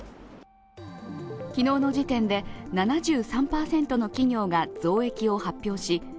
昨日の時点で７３％の企業が増益を発表し３００